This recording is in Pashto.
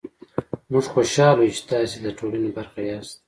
موژ خوشحاله يو چې تاسې ده ټولني برخه ياست